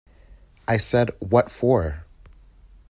I said “What for?”’